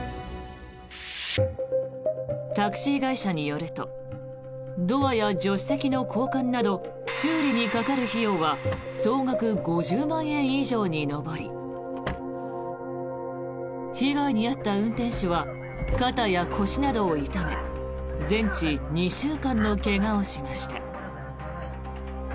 タクシー会社によるとドアや助手席の交換など修理にかかる費用は総額５０万円以上に上り被害に遭った運転手は肩や腰などを痛め全治２週間の怪我をしました。